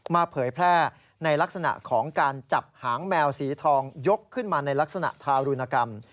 เผยแพร่ในลักษณะของการจับหางแมวสีทองยกขึ้นมาในลักษณะทารุณกรรม